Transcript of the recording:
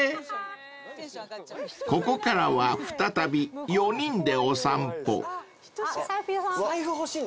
［ここからは再び４人でお散歩］